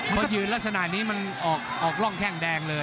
เพราะยืนลักษณะนี้มันออกร่องแข้งแดงเลย